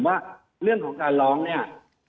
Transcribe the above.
ว่าเรื่องของการร้องเนี่ย